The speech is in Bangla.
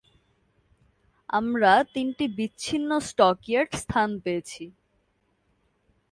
আমরা তিনটি বিচ্ছিন্ন স্টকইয়ার্ড স্থান পেয়েছি।